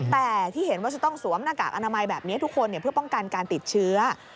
แต่ที่เห็นว่าจะต้องสวมหน้ากากอนามัยแบบนี้ทุกคนเพื่อป้องกันการติดเชื้อ